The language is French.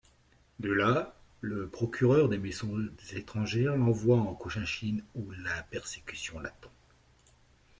De là, le procureur des Missions étrangères l'envoie en Cochinchine où la persécution l'attend.